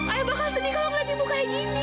ayah bakal sedih kalau ngeliat ibu kayak gini